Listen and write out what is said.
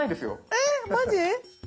えっマジ？